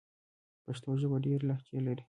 پښتو ژبه ډېري لهجې لري.